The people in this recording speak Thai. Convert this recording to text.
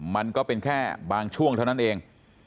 มันก็เป็นแค่บางช่วงเท่านั้นเอง